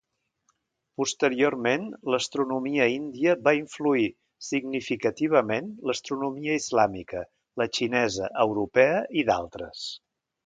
Posteriorment, l'astronomia índia va influir significativament l'astronomia islàmica, la xinesa, europea, i d'altres.